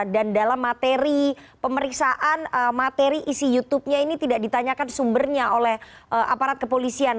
dan dalam materi pemeriksaan materi isi youtube nya ini tidak ditanyakan sumbernya oleh aparat kepolisian